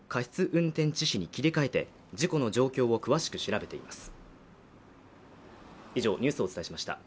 運転致死に切り替えて事故の状況を詳しく調べています